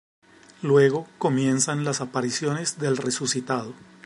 Luego comienzan las apariciones del resucitado.